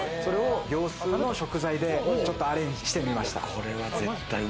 それを業スーの食材でちょっとアレンジしてみました。